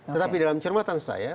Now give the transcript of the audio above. tetapi dalam cermatan saya